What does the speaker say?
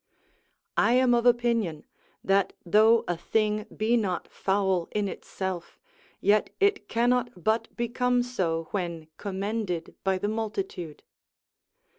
["I am of opinion, that though a thing be not foul in itself, yet it cannot but become so when commended by the multitude."